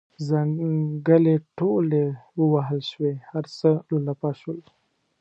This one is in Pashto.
ځنګلې ټولې ووهل شوې هر څه لولپه شول.